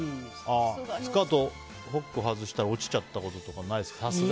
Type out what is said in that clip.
スカートホック外したら落ちちゃったこととかないですか。